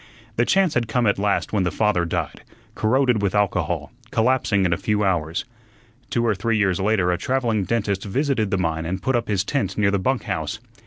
The chance had come at last when the father died, corroded with alcohol, collapsing in a few hours. Two or three years later a travelling dentist visited the mine and put up his tent near the bunk house.